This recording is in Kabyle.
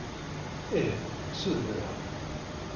Ih, ssudneɣ-t.